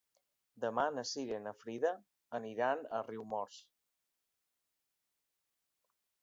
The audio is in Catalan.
Demà na Cira i na Frida iran a Riumors.